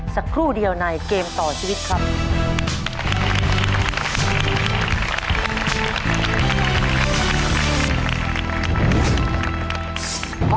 สักครู่เดียวในเกมต่อชีวิตครับ